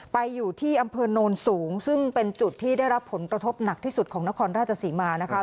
ไปอยู่ที่อำเภอโนนสูงซึ่งเป็นจุดที่ได้รับผลกระทบหนักที่สุดของนครราชศรีมานะคะ